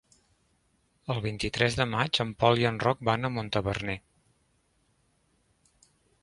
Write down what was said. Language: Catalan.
El vint-i-tres de maig en Pol i en Roc van a Montaverner.